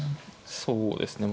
そうですね